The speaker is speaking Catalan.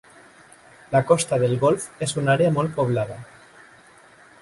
La costa del golf és una àrea molt poblada.